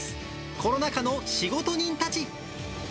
コロナ禍の仕事人たち。